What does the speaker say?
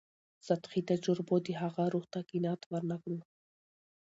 سطحي تجربو د هغه روح ته قناعت ورنکړ.